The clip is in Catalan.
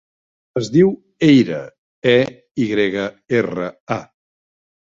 Es diu Eyra: e, i grega, erra, a.